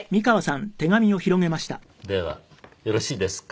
ではよろしいですか？